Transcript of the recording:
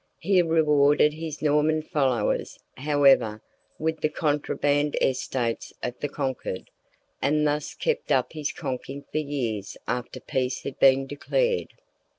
He rewarded his Norman followers, however, with the contraband estates of the conquered, and thus kept up his conking for years after peace had been declared.